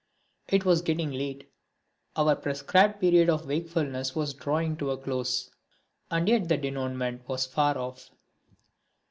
It was getting late, our prescribed period of wakefulness was drawing to a close, and yet the denouement was far off.